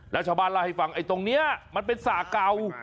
แล้วชาวบ้านเล่าให้ฟังไอ้ตรงนี้มันเป็นสระเก่า